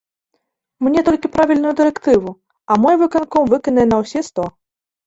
Мне толькі правільную дырэктыву, а мой выканком выканае на ўсе сто.